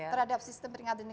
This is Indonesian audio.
terhadap sistem peringatan dini